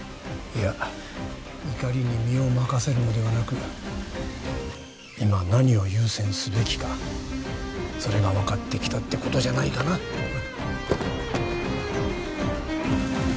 いや怒りに身を任せるのではなく今何を優先すべきかそれが分かってきたってことじゃないかなどう？